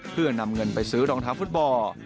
เพื่อนำเงินไปซื้อรองเท้าฟุตบอล